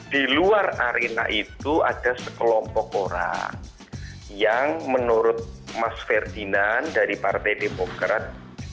di luar arena itu ada sekelompok orang yang menurut mas ferdinand dari partai demokrat